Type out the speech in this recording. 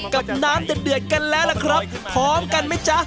กับน้ำเดือดกันแล้วล่ะครับพร้อมกันไหมจ๊ะ